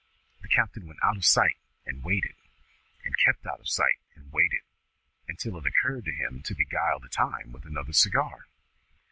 The captain went out of sight and waited, and kept out of sight and waited, until it occurred to him to beguile the time with another cigar.